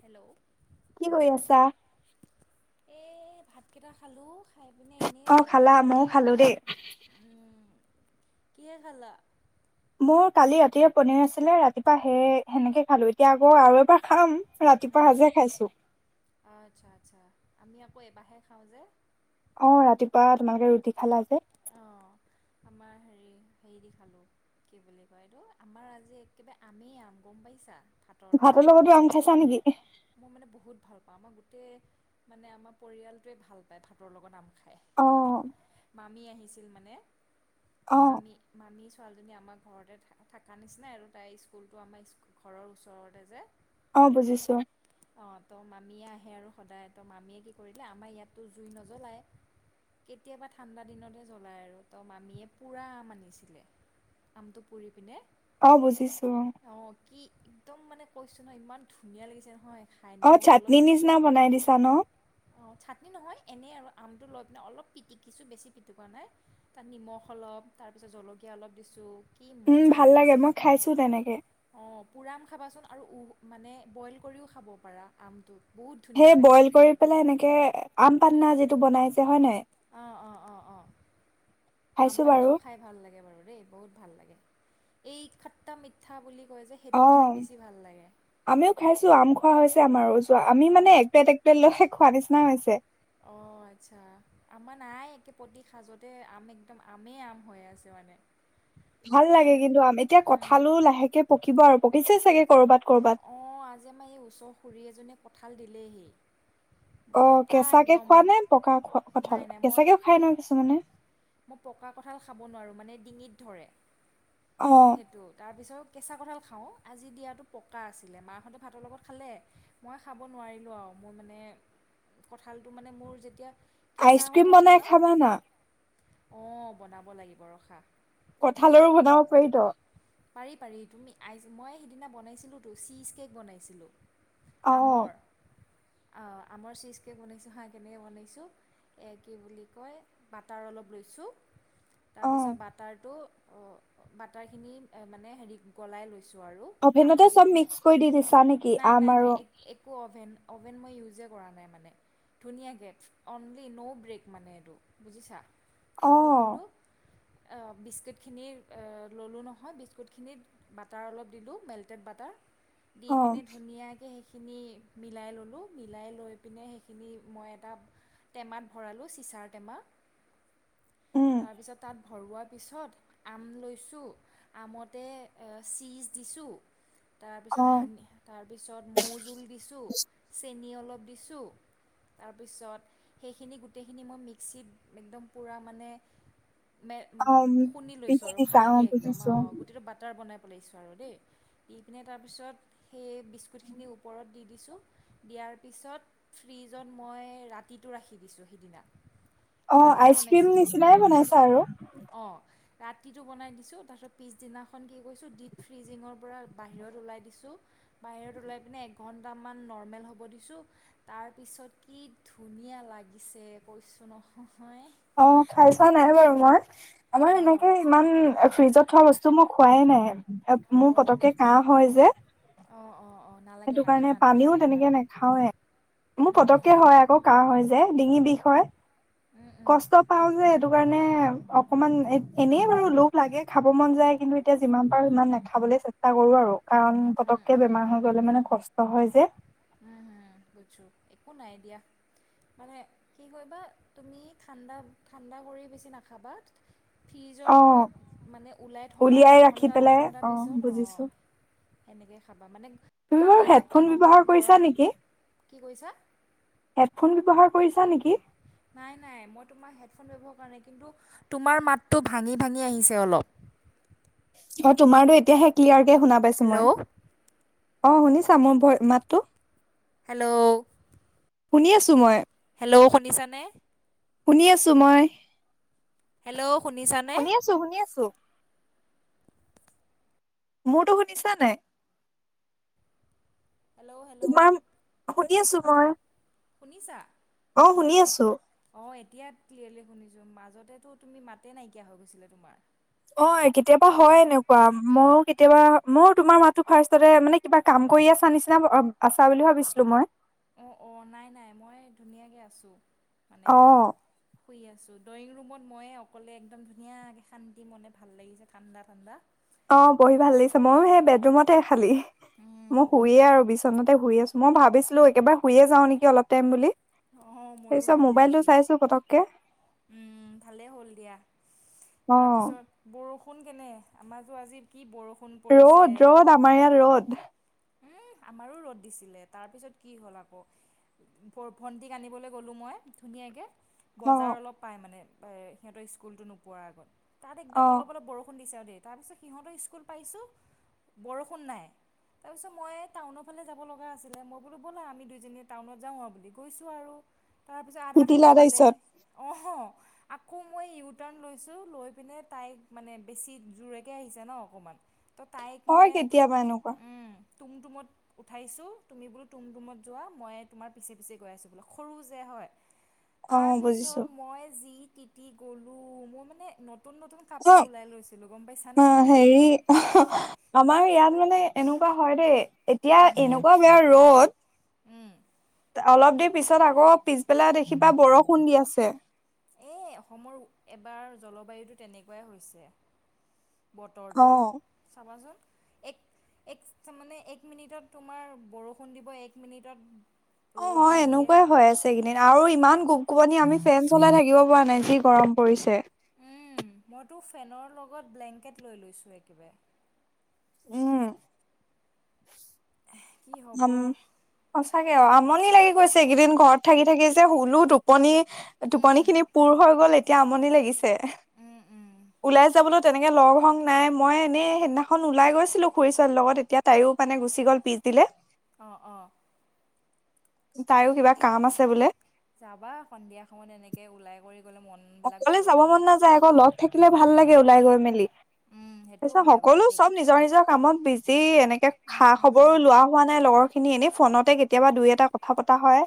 Hello কি কৰি আছা? এ ভাতকেইটা খালো খাই পিনে এনেই অ খালা বাগৰি ময়ো আছোঁ খালো দেই। উম। কিহে খালা? মোৰ কালি ৰাতিৰে পনিৰ আছিলে, ৰাতিপুৱা সেই সেনেকে খালো, এতিয়া আকৌ আৰু এবাৰ খাম। ৰাতিপুৱা উম, সাজে খাইছো। আচ্ছা আচ্ছা, আমি আকৌ এবাৰাহে খাওঁ যে। অ ৰাতিপুৱা তোমালোকে ৰুটি খালা যে। অঁ আমাৰ হেৰি হেৰি দি খালোঁ কি বুলি কয় এইটো আমাৰ আজি একেবাৰে আমেই আম গম পাইছা? ভাতৰ লগতো আম খাইছা নেকি? পাও আমাৰ গোটেই মানে আমাৰ পৰিয়ালটোৱে ভাল পায় ভাতৰ লগত আম খাই। অ। মামি আহিছিল মানে? অ মামি, মামি ছোৱালীজনী আমাৰ ঘৰতে থ থাককা নিচিনা আৰু তাই স্কুলটো আমাৰ ঘৰৰ ওচৰতে যে অ বুজিছো সিয়েআৰু আহে সদায় আমাৰ ইয়াত তো জুই নোৱাই কেতিয়া ঠাণ্ডা দিনতহে জ্বলায় আৰু তো মামীয়ে পোৰা আম আনিছিলে আমটো পুৰি পিনে অ বুজিছো অ অঁ কি একদম মানে কৈছো নহয় ইমান ধুনীয়া লাগিছে নহয় খাই অ নিমখ অলপ চাটনি দিছোঁ নিচিনা বনাই দিছা ন অঁ চাটনি নহয় এনেই আৰু আমটো লৈ পিনে অলপ পি পতিকিছো বেছি পিটোৱা নাই তাত নিমখ অলপ তাৰপিছত জলকীয়া অলপ দিছোঁ কি উম মজা ভাল লাগে লাগিছে মই খাইছো তেনেকে। অ পোআম খাবাচোন আৰু মানে ব্ৰইল কৰিও খাব পৰা আমটোত সেই ব্ৰইল কৰি পেলাই এনেকে আম পান না যিটো বনাইছে হয় নাই আহ অ অ অ খাইছো বাৰু আমপাননাও খাই ভাল লাগে বাৰু দেই বহুত ভাল লাগে এই খট্টা মিঠা বুলি কয় যে অ সেইটো খাই বেছি ভাল লাগে আমিও খাইছো আম খোৱা হৈছে আমাৰ আমি মানে অঁ একপেলেট একপেলেট লৈ খোৱা নিচিনা হৈছে অঁ আচ্ছা আমাৰ নাই প্ৰতি সাজতে আম একদম আমে আম হৈ আছে মানে ভাল লাগে কিন্তু আম এতিয়া উম, কঠালো লাহেকে পকিব আৰু পকিছে চাগে কৰো বাত অ আজি মই এই ওচৰ খুৰী এজনী কঁঠাল দিলেহি অ পকা কেঁচাকে একদম খোৱা নাই পকা খোৱা কঁঠাল নাই নাই মই কেঁচাকেও খাই কে- নহয় কিছুমানে মই পকা কঁঠাল খাব নোৱাৰোঁ মানে ডিঙিত ধৰে অ সেইটো তাৰপিছত কেঁচা কঁঠাল খাওঁ আজি দিয়াটো পকা আছিলে মাহঁতে ভাতৰ লগত খালে মই খাব নোৱাৰিলোঁ আৰু মোৰ মানে কঁঠালটো মানে মোৰ যেতিয়া কেঁচা হৈ আইচক্ৰীম থাকে ন বনাই খাবা না অঁ বনাব লাগিব ৰবা কঁঠালৰো বনাব পাৰি তো পাৰি পাৰি তুমিই আই মই সিদিনা বনাইছিলোতো চীজ কেক বনাইছিলোঁ অ আমৰ আমৰ চিজ কেক বনাইছোঁ হাঁ কেনেকৈ বনাইছোঁ কি বুলি কয় বাটাৰ অলপ লৈছোঁ অ তাৰপিছত বাটাৰটো বাটাৰখিনি মানে হেৰি গলাই লৈছে ছো আৰু তাপ অভেনতে চব দিপিনে মিক্স কৰি দি দিছা নেকি নাই আম আৰু নাই একো অভেন অ'ভেন মই ইউজে কৰা নাই মানে ধুনীয়া। গেভ অনলি ন' ব্ৰেক মানে এইটো বুজিছা। অ ত কি কৰিলোঁ বিস্কুটখিনি ল'লো নহয়। হয় বিস্কুটখিনিত বাটাৰ অলপ দিলোঁ। মেল্টেড বাটাৰ দি অ পিনে ধুনীয়াকে খিনি মিলাই ল'লোঁ মিলাই লৈ পিনে সেইখিনি মই এটা টেমাত ভৰালোঁ চিচাৰ টেমা উম তাৰপিছত তাত ভৰোৱাৰ পিছত আম লৈছোঁ। আমতে চীজ দিছোঁ। অ তাৰপিছত সানি তাৰপিছত মৌ জোল দিছো। নি অলপ দিছো তাৰ পিছত সেইখিনি গোটেই খিনি মিক্সিত একদম পোৰা মানে। মে অ শুনি লৈছো পিহি আৰু দিছা অ ভালকে একদম। বুজিছো অ' গোটেইটো বাটাৰ বনাই। লাইছো আৰু দেই দি পিনে তাৰপিছত সেই বিস্কুটখিনি ওপৰত দি দিছোঁ দিয়াৰ পিছত ফ্ৰীজত মই ৰাতিটো ৰাখি দিছোঁ সিদিনা। অ' ৰাতি আইচ ক্ৰীম বনাইছিলোঁ নিচিনাই বনাইছা আৰু অঁ ৰাতিটো বনাই দিছোঁ তাৰপিছত পিছদিনাখন কি কৈছোঁ ডিপ ফ্ৰিজিঙৰ পৰা বাহিৰত ওলাই দিছোঁ বাহিৰত ওলাই পিনে এঘণ্টামান নৰ্মেল হ'ব দিছোঁ তাৰপিছত কি ধুনীয়া লাগিছে কৈছোঁ নহয়। অ' খাই চোৱা নাই বাৰু মই আমাৰ অঁ এনেকে ইমান এ ফ্ৰিজত থোৱা বস্তু মই খোৱাই নাই। এ মোৰ অঁ পতকে কাহ হয় যে অঁ অঁ অঁ নালাগে সেইটো কাৰণে নাখাবা নাখাবা পানীও ইমান তেনেকে নাখাওৱে। মোৰ উম পতককে উম হয় আকৌ কাহ হৈ যায়। ডিঙি বিষ হয়। উম উম কষ্ট পাওঁ যে। সেইটো কাৰণে অকমান এ এনেই বাৰু লোভ লাগে খাব মন যায় কিন্তু এতিয়া যিমান পাৰো সিমান নাখাবলৈ চেষ্টা কৰো আৰু কাৰণ উম উম পতককে বেমাৰ উম হয় গ'লে মানে কষ্ট হয় যে। উম হম বুজছো একো নাই দিয়া মানে কি কৰিবা তুমি ঠাণ্ডা ঠাণ্ডা কৰি বেছি নাখাবা। ফিজৰ অ পৰা মানে ওলাই থবা উলিয়াই ৰাখি এঘণ্টা পেলাই দুঘণ্টা অ পিছত বুজিছো অ' সেনেকৈ খাবা মানে। তুমি ঠাণ্ডা বাৰু ভাৱটো হেডফোন নহয় ব্যৱহাৰ কৰিছা। ছা গৰম নেকি কি কৈছা? হেডফোন ব্যৱহাৰ কৰিছা নেকি? নাই নাই। মই তোমাৰ হেডফোন ব্যৱহাৰ কৰা নাই কিন্তু তোমাৰ মাতটো ভাঙি ভাঙি আহিছে অলপ। অ তোমাৰো এতিয়াহে ক্লিয়াৰ এতিয়া শুনা পাইছো হেল্ল' মই অ শুনিছা মোৰ মাতটো হেল্ল' শুনি আছো মই হেল্ল' শুনিছানে শুনি আছো মই হেল্ল' শুনিছানে শুনি আছো শুনি আছো মোৰতো শুনিছা নাই হেল্ল' হেল্ল' তোমাৰ শুনি আছো মই শুনিছা অঁ শুনি আছোঁ অ এতিয়া ক্লিয়াৰলি শুনিছো মাজতেতো তুমি মাতে নাইকিয়া হৈ গৈছিলে তোমাৰ অ কেতিয়াবা হয় এনেকুৱা মইো কেতিয়াবা মইো তোমাৰ মাতো ফাষ্ট তে মানে কিবা কাম কৰি আছা নিচিনা আছা বুলি ভাবিছিলো মই অ অ নাই নাই মই ধুনীয়াকে আছোঁ মানে অ শুই আছো ড্ৰয়িং ৰুমত ময় অকলে একদম ধুনীয়াকৈ শান্তি মনে ভাল লাগিছে ঠাণ্ডা ঠাণ্ডা অ পঢ়ি ভাল লাগিছে ময়ো সেই বেডৰুমতে খালী উম মই শুইয়ে আৰু বিচনাতে শুই আছো মই ভাবিছিলো। একবাৰ শুয়ে যাওঁ নেকি অলপ টাইম বুলি অ ময়ো তাৰপিছত ভাবি মোবাইলটো আছিলো চাইছো পতককে উম ভালেই হ'ল দিয়া অ তাৰপিছত বৰষু শুন কেনে আমাৰ য আজি কি বৰষুণ ৰ'দ ৰ'দ আমাৰ ইয়াত ৰ'দ উম আমাৰো ৰ'দ দিছিলে তাৰ পিছত কি হ'ল আকৌ ভণ্টিক আনিবলৈ গলো মই ধুনীয়াকে বজাৰ অ' অলপ পায় মানে সিহঁতৰ স্কুলটো নোপোৱাৰ আগত তাত একদম অ' অলপ অলপ বৰুণ দিছে তাৰ পিছত সিহঁতৰ স্কুল পাইছো বৰষুণ নাই তাৰপিছত মই টাউনৰ ফালে যাব লগা আছিলে মই বোলো ব'লা আমি দুইজনীয়ে টাউনত যাওঁ আৰু বুলি গৈছো আৰু। তাৰপিছত আধাতেটো তিতিলা পালে তাৰপিছত অঁ আকৌ মই ইউটাৰণ লৈছো লৈ পিনে তাইক মানে বেছি জোৰেকে আহিছে ন অকমান হয় কেতিয়াবা এনেকুৱা তুম ৰুমত উঠাইছোঁ তুমি বোলো তুম ৰুমত যোৱা মই তোমাৰ পিছে পিছে গৈ আছোঁ বোলো সৰু যে হয়। তাৰ অ' বুজিছো পিছত মই যি তিতি গ'লো মই মানে নতুন কাপোৰ অ ওলাই লৈছিলোঁ গম অ পাইছানে হেৰি আমাৰ ইয়াত মানে এনেকুৱা হয় দেই এতিয়া এনেকুৱা বেয়া উম ৰ'দ অলপ দেৰি ত পিছত আকৌ পিছবেলা দেখিবা বৰষুণ দি আছে এই অসমৰ এবাৰ জলবায়ুটো তেনেকুৱাই হৈছে বতৰটো অ' চাবাচোন এক এক মানে এক মিনিটত তোমাৰ বৰষুণ দিব এক মিনিটত অ ৰ'দ অ দি দিয়ে এনেকুৱাই হৈ আছে কেইদিন আৰু ইমান কম কোপনি আমি ফেন চলাই থাকিব পৰা নাই যি গৰম পৰিছে উম মইতো ফেনৰ লগত ব্লেংকেট লৈ লৈছো একেৱাৰে উম কি উম হ'ব সঁচে আমনি লাগি গৈছে এইকেইদিন ঘৰত থাকি থাকি যে হুলো টোপনি টোপনি উম, খিনি পুৰ হৈ গ'ল এত- এতিয়া আমনি লাগিছে উম, উম, ওলাই যাবলৈ তেনেকে লগ হং নাই মই এনেই সেইদিনাখন ওলাই গৈছিলো খুৰী ছোৱালীৰ লগত এতিয়া তাইও মানে গুচি গ'ল পিজ- দিলে অ অ তাইও কিবা কাম আছে বোলে যাবা সন্ধিয়া সময়ত এনেকে ওলাই কৰি গ'লে মনবিলাক অকলে ভাল যাব লাগে। মন নাযায় আকৌ অ থাকিলে ভাল লাগে ওলাই গৈ মেলি উম, সেইটোও তাৰপিছত হয় বাৰু সকলো দেই। চব নিজৰ নিজৰ কামত বিজ- সি এনেকে এ খা উম, খবৰো উম, লোৱা হোৱা নাই লগৰ খিনি এনেই ফোনতে কেতিয়াবা দুই এটা কথা পতা হয়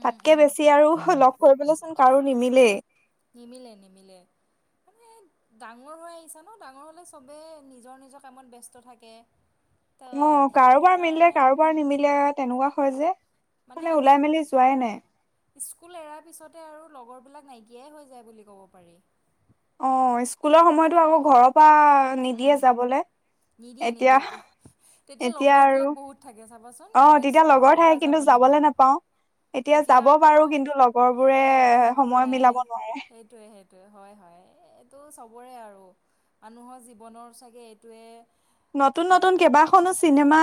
উম, তাতকে উম, বেছি আৰু লগ কৰিবলৈচোন কাৰো নিমিলেই নিমিলে নিমিলে মানে ডাঙৰ হৈ আহিছে ন ডাঙৰ হ'লে চবেই নিজৰ নিজৰ কামত ব্যস্ত থাকে তো অ সেইটো কাৰোবাৰ মিলিলে কাৰণে কাৰোবাৰ উম, নিমিলে তেনেকুৱা হয় যে মানে ওলাই মেলি যোৱাই নাই স্কুল এৰাৰ পিছতে আৰু লগৰবিলাক নাইকিয়াই হৈ যায় বুলি ক'ব পাৰি অ স্কুলৰ সময়তো আকৌ ঘৰৰ পৰা নিদিয়ে উম, যাবলে নিদিয়ে এতিয়া নিদিয়ে তে তেতিয়া এতিয়া আৰু লগৰবিলাক বহুত থাকে চাবাচোন অ কিন্তু তেতিয়া লগৰ ঘৰৰ থাকে পৰা যাব কিন্তু যাবলে নিদিয়ে। নাপাও এতিয়া যাব পাৰো কিন্তু লগৰ বোৰে লগৰবোৰ সময় নাই মিলাব নোৱাৰে সেইটোৱে হয় হয় এইটো চবৰে আৰু মানুহৰ জি- বনৰ চাগে এইটোৱে কি নতুন ক'ম নতুন কেইবাখনো চিনেমা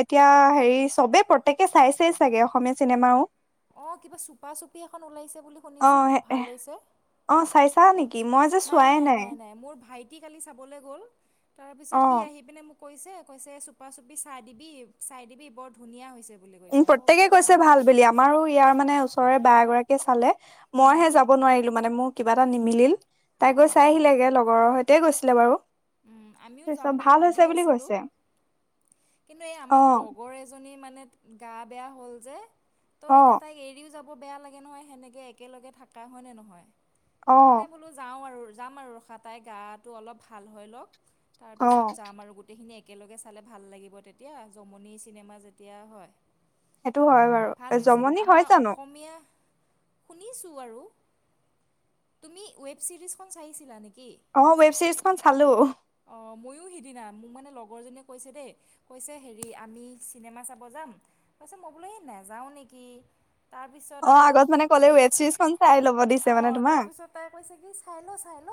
এতিয়া হেৰি চবে প্ৰত্যকে চাইচেই চাগে অসমীয়া চিনেমাও অ কিবা চুপা চুপি এখন ওলাইছে বুলি অ শুনিছো বৰ ভাল হৈছে কি মই যে চোৱাই নাই টি কালি চাবলৈ গ'ল, তাৰপিছত অ সি আহি পিনে মোক কৈছে কৈছে চুপা চুপি চাই দিবি চাই দিবি বৰ ধুনীয়া হৈছে বুলি উম কৈছে মই প্ৰত্যকেই বোলো কৈছে অঁ ভাল বুলি আমাৰো ইয়াৰ মানে ওচৰৰে বা এগৰাকীয়ে চালে, মইহে যাব নোৱাৰিলো মানে মোৰ কিবা এটা নিমিলিল। তাই গৈ অঁ চাই আহিলেগে লগৰৰ সৈ তে গৈছিলে বাৰু। উম আমিও যাম তাৰপিছত বুলি ভাল ভাবি হৈছে বুলি আছিলো কৈছে কিন্তু এই অ আমাৰ লগৰ এজনী মা নে গা বেয়া হ'ল যে, ত' অ এতিয়া তাইক এৰিও যা বৌ বেয়া লাগে নহয়, সেনেকে একেলগে থকা হয় নে নহয়? অ সেইকাৰণে বোলো যাওঁ আৰু যাম আৰু ৰখা তাই গাটো অলপ ভাল হৈ লওঁক, তাৰ অ পিছত যাম আৰু গোটেইখিনিয়ে একেলগে চালে ভাল লাগিব তেতিয়া, জমনি চিনেমা যেতিয়া হয়। সেইটো হয় বাৰু জমনি হয় জানো? শুনিছো আৰু তুমি ৱেব চিৰিজখন চাইছিলা নে অ ৱেব চিৰিজ খন চালো। অঁ ময়ো সিদিনা মোক মানে লগৰজনীয়ে কৈছে দেই, কৈছে হেৰি আমি চিনেমা চাব যাম, কৈছে মই বোলো এ নাযাওঁ নেকি। তাৰপিছত অ আৰু আগত মানে ক'লে ৱেব ছিৰিজখন চাই ল'ব দিছে মানে অঁহ তোমাক তাৰপিছত তাই কৈছে কি চাই ল চাই ল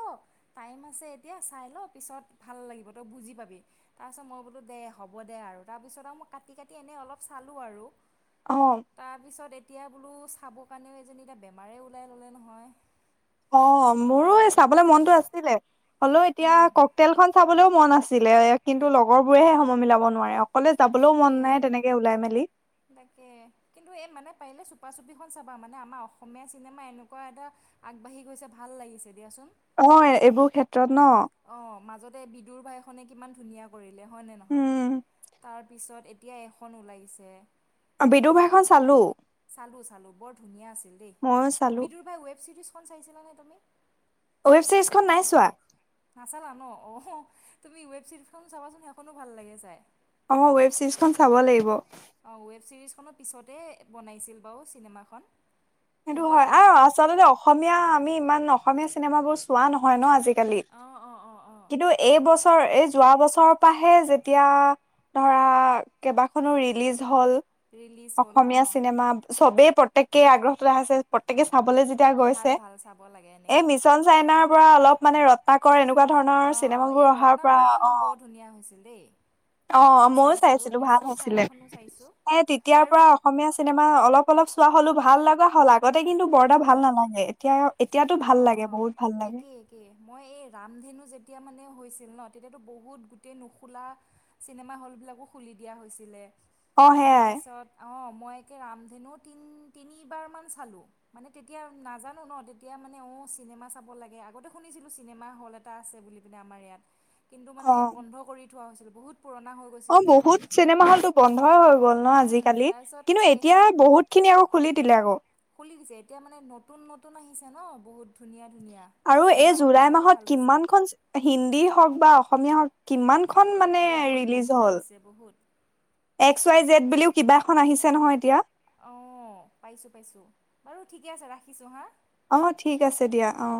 টাইম আছে এতিয়া চাই ল' পিছত ভাল লাগিব তই বুজি পাবি, তাৰপিছত মই বোলো দে হ'ব দে আৰু, তাৰপিছত আৰু মই কাটি কাটি এনেই অলপ চালোঁ আৰু। অ তাৰপিছত এতিয়া এতিয়া বোলো চাবৰ কাৰণেও এজনী এতিয়া বেমাৰেই ওলাই ল'লে নহয়। অ কি মোৰো হয় এই আৰু চাবলে মনটো আছিলে হ লো এতিয়া উম ক'কতেইল খন চাবলৈও মন আ ছিলে কিন্তু লগৰ বোৰেহে সময় মিলাব নোৱাৰে অ তাকে, তাকে কিন্তু এই মানে পাৰিলে চ চুপাচুপিখন চাবা, মানে আমাৰ অসমীয়া চিনেমা এনেকুৱা এটা আগবাঢ়ি গৈছে ভাল লাগিছে দিয়াচোন। অ এইবোৰ ক্ষে অ মাজত বিদুৰ ভাইখনে কিমান ধুনীয়া কৰি লে হয় নে নহয়? উম পিছত এতিয়া এখন ওলাইছে। বিদু ভাইখন চালো। চালো চালো বৰ ধুনীয়া আছে। ময়ো দেই চালো বিদুৰ ভাই ৱেব চিৰিজ চাইছিলা নে তুমি? ৱেব ছিৰিজখন নাই চোৱা। নাচালা ন? অ তুমি ৱেব চিৰিজখন চাবাচোন সেইখনো ভাল লাগে চাই। আমাৰ ৱেব চিৰিজ খন চাব লাগিব। অঁ ৱেব ছিৰিজখনৰ পিছতে বনাইছিল বাৰু চিনেমাখন। সেইটো কিন্তু হয় আৰু এত- আচলতে অসমীয়া আমি ইমান অসমীয়া চিনেমা বোৰ চোৱা নহয় ন আজি কালি অঁ অঁ অঁ অঁ কিন্তু এই বছৰ বছৰ এই যোৱা বছৰৰ পৰাহে যেতিয়া ধৰা কেইবাখনো ৰিলিজ হ'ল' ৰিলিজ হ'ল অসমীয়া অঁ চিনেমা চবেই পটেকেই আগ্ৰহ আছে প্ৰত্যেকে চাবলে য এতিয়া ভাল গৈছে ভাল চাব লাগে এই এনেকে মিছন চাইনাৰ পৰা অলপ মানে ৰটনাকৰ এনেকো অ অ এই ৰত্নাকৰখন বৰ ধুনীয়া হৈছিল দেই। অ মই ময়ো চাইছিলোঁ চাইছিলো ভাল মিছন হৈছিলে। চাইনাখনো চাইছোঁ সেই তেতিয়াৰ আৰু পৰা অসমীয়া চিনেমা অলপ অলপ চোৱা হ'লো ভাল লগা হল আও। অ এতিয়াতো ভাল আহ লাগে অ বহুত ভাল লাগে একে একে মই এই ৰামধেনু যেতিয়া মানে হৈছে ছিল ন তেতিয়াতো বহুত গোটেই নোখোলা চিনেমা হলবিলাকো খুলি দিয়া হৈছিলে। অ তাৰ সেয়াই পিছত অ সময়কে ৰামধেনু তিন তিনিবাৰমান চালোঁ। মানে তেতিয়া নাজানো ন তেতিয়া মানে অ চিনেমা চাব লাগে আগতে শুনিছিলো চিনেমা হল এটা আছে বুলি পিনে আমাৰ ইয়াত। কিন্তু অ মানে বন্ধ কৰি থোৱা হৈছিল বহুত পুৰণা হৈ অ গৈছিল যে বহুত চিনেমা হল টো বন্ধই হৈ গ'ল। ন উম, আজিকালি তাৰপিছত কিন্তু এতিয়া সেইখনক বহুত খিনি আকৌ খুলি দিলে আকৌ। খুলি দিছে এতিয়া মানে নতুন নতুন আহিছে ন বহুত ধুনীয়া ধুনীয়া আৰু এই চিনেমা জুলাই হলবিলাকো ভাল মাহত হৈছে কিমান খন হিন্দী হওক বা অসমীয়া হওক কিমান খন মানে বহুত ৰিলিজ বহুত হল আহিছে বহুত। এক্স উয়াই জেট বুলিও কিবা এখন আহিছে নহয় এতিয়া। অঁ পাইছো-পাইছো, বাৰু ঠিকে আছে ৰাখিছো হা? অঁ ঠিক আছে দিয়া। অঁ!